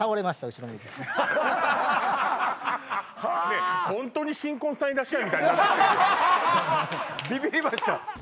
ねえビビりました？